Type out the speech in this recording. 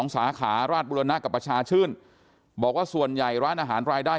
สาขาราชบุรณะกับประชาชื่นบอกว่าส่วนใหญ่ร้านอาหารรายได้